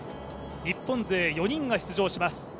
日本勢４人が出場します。